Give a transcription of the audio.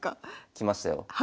きましたよ。